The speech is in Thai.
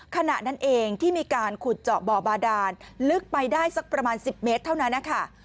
ขณะนั้นเองที่มีการขุดเจาะบ่อบาดานลึกไปได้สักประมาณ๑๐เมตรเท่านั้นนะคะ